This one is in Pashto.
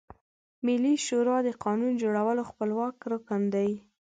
ملي شورا د قانون جوړولو خپلواکه رکن ده.